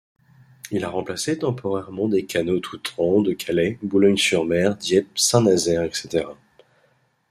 Il a remplacé temporairement des canots tout temps de Calais, Boulogne-sur-mer, Dieppe, Saint-Nazaire etc.